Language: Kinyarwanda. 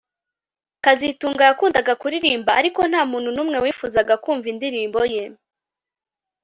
kazitunga yakundaga kuririmba ariko ntamuntu numwe wifuzaga kumva indirimbo ye